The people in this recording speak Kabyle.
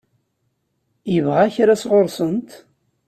Yebɣa kra sɣur-sent?